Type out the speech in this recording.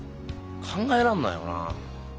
考えらんないよなあ。